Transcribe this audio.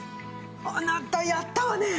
あなたやったわね！